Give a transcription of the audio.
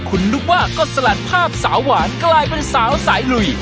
คุณลูกว่าก็สลัดภาพสาวหวานกลายเป็นสาวสายลุย